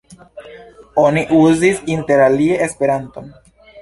Oni uzis interalie esperanton.